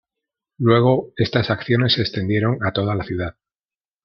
Luego, estas acciones se extendieron a toda la ciudad.